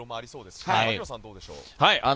槙野さんはどうでしょう。